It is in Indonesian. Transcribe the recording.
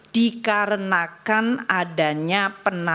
dikarenakan adanya penataan kembang